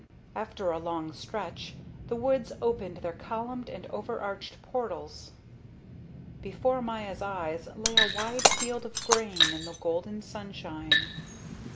After a long stretch the woods opened their columned and over arched portals; before Maya's eyes lay a wide field of grain in the golden sunshine.